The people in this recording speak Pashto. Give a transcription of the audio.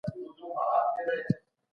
د یتیمانو پالنه زموږ کلتور دی.